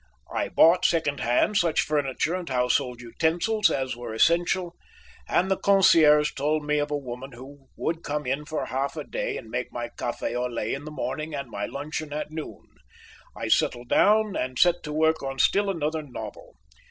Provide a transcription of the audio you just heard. I bought, second hand, such furniture and household utensils as were essential, and the concierge told me of a woman who would come in for half a day and make my café au lait in the morning and my luncheon at noon. I settled down and set to work on still another novel.